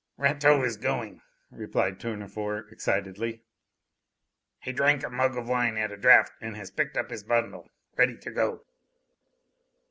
"Rateau is going," replied Tournefort excitedly. "He drank a mug of wine at a draught and has picked up his bundle, ready to go."